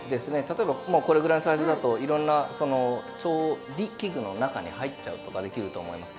例えばもうこれぐらいのサイズだといろんな調理器具の中に入っちゃうとかできると思います。